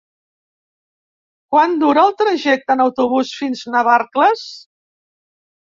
Quant dura el trajecte en autobús fins a Navarcles?